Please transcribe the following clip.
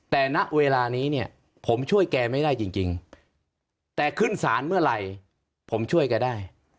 แต่ณเวลานี้เนี่ยผมช่วยแกไม่ได้จริงแต่ขึ้นศาลเมื่อไหร่ผมช่วยแกได้